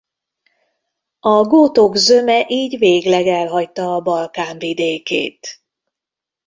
A gótok zöme így végleg elhagyta a Balkán vidékét.